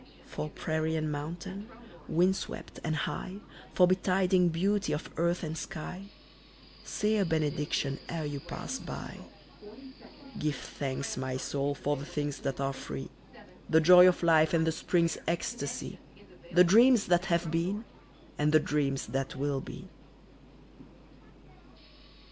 For prairie and mountain, windswept and high, For betiding beauty of earth and sky Say a benediction e'er you pass by. Give thanks, my soul, for the things that are free! The joy of life and the spring's ecstasy, The dreams that have been and the dreams that will be.